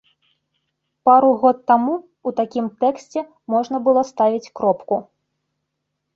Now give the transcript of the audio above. Пару год таму ў такім тэксце можна было ставіць кропку.